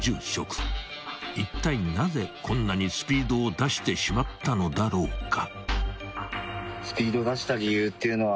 ［いったいなぜこんなにスピードを出してしまったのだろうか］